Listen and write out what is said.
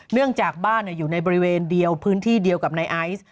เนื่องจากบ้านอยู่ในบริเวณเดียวพื้นที่เดียวกับนายไอซ์